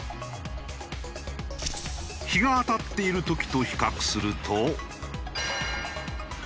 日が当たっている時と比較すると。